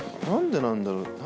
なんでなんだろう